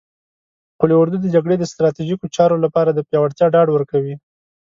قول اردو د جګړې د ستراتیژیکو چارو لپاره د پیاوړتیا ډاډ ورکوي.